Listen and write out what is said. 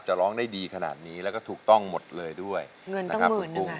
ร้องได้ดีขนาดนี้แล้วก็ถูกต้องหมดเลยด้วยเงินนะครับหมื่น